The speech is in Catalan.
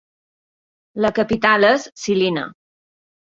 La capital és Žilina.